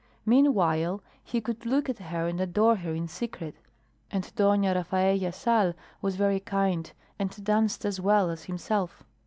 Meanwhile he could look at her and adore her in secret, and Dona Rafaella Sal was very kind and danced as well as himself.